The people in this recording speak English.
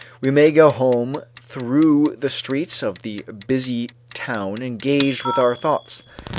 We may go home through the streets of the busy town engaged with our thoughts.